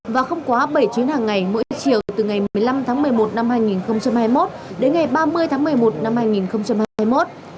và không quá bảy chuyến hàng ngày mỗi chiều từ ngày một mươi năm tháng một mươi một năm hai nghìn hai mươi một đến ngày ba mươi tháng một mươi một năm hai nghìn hai mươi một